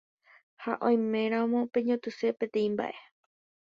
Ha oiméramo peñotỹse peteĩ mba'e